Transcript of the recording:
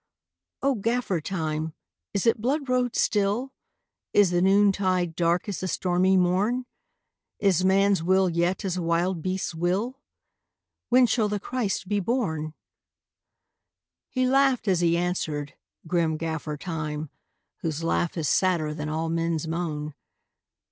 " O Gaffer Time, is it blood road still? Is the noontide dark as the stormy morn? Is man s will yet as a wild beast s will? When shall the Christ be born? " He laughed as he answered, grim Gaffer Time, Whose laugh is sadder than all men s moan.